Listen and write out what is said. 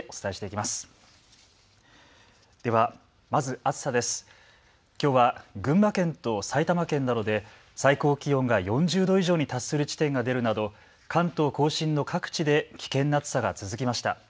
きょうは群馬県と埼玉県などで最高気温が４０度以上に達する地点が出るなど関東甲信の各地で危険な暑さが続きました。